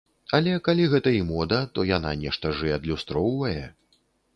Але калі гэта і мода, то яна нешта ж і адлюстроўвае.